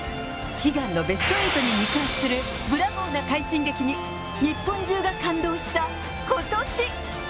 悲願のベストエイトに肉薄するブラボーな快進撃に、日本中が感動したことし。